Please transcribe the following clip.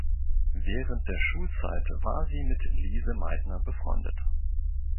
Während der Schulzeit war sie mit Lise Meitner befreundet.